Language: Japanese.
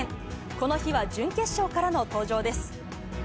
この日は準決勝からの登場です。